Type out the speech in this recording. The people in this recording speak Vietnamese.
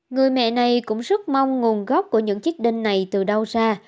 người mẹ này cũng rất mong nguồn gốc của những chiếc đinh này từ đâu ra